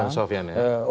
bang sofyan ya